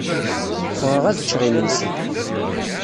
Ffɣeɣ ad cceɣ imensi.